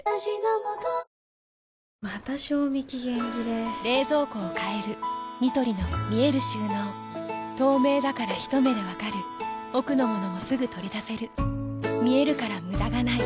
また賞味期限切れ冷蔵庫を変えるニトリの見える収納透明だからひと目で分かる奥の物もすぐ取り出せる見えるから無駄がないよし。